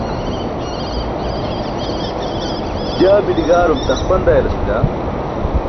jaa miḍigaarum taxpan dayalas bila